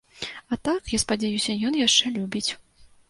А так, я спадзяюся, ён яшчэ любіць.